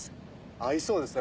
合いそうですね